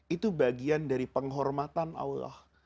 itu bagian dari penghormatan allah